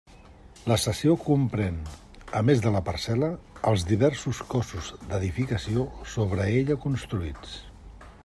La cessió comprén, a més de la parcel·la, els diversos cossos d'edificació sobre ella construïts.